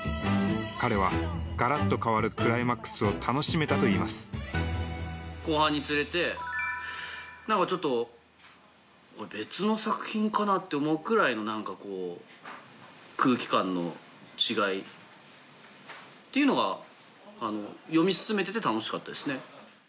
彼はガラっと変わるクライマックスを楽しめたといいます後半につれて何かちょっと別の作品かなって思うくらいの空気感の違いっていうのが読み進めてて楽しかったですね。